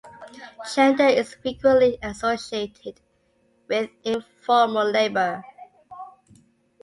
Gender is frequently associated with informal labour.